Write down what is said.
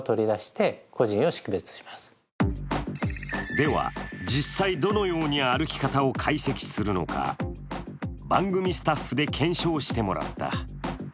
では、実際どのように歩き方を解析するのか番組スタッフで検証してもらった。